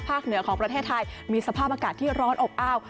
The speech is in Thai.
เหนือของประเทศไทยมีสภาพอากาศที่ร้อนอบอ้าว